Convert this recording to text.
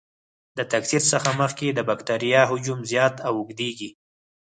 د تکثر څخه مخکې د بکټریا حجم زیات او اوږدیږي.